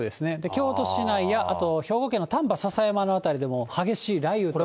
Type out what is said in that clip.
京都市内や、あと兵庫県の丹波篠山辺りでも激しい雷雨と。